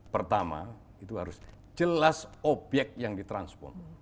pertama itu harus jelas obyek yang ditransform